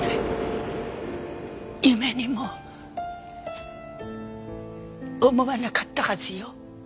夢にも思わなかったはずよ。